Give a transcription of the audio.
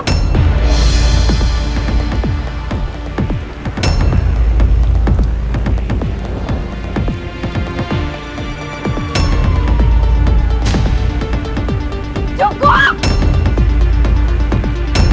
terima kasih telah menyaksikan video demikian